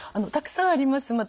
たくさんあります。